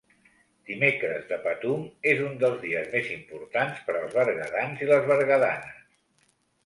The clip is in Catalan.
Dimecres de Patum és un dels dies més importants per als berguedans i les berguedanes.